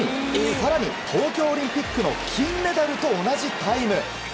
更に東京オリンピックの金メダルと同じタイム。